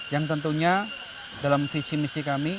yang tentunya dalam visi misi kami